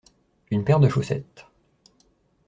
Une paire de chaussettes.